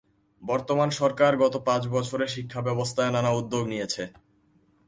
বর্তমান সরকার গত পাঁচ বছরে শিক্ষাব্যবস্থায় নানা উদ্যোগ নিয়েছে।